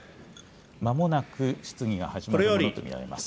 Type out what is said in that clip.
まもなく質疑が始まるものと見られます。